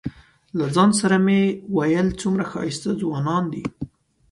له ځان سره مې ویل څومره ښایسته ځوانان دي.